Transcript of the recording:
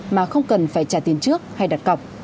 mà không cần phải trả tiền trước hay đặt cọc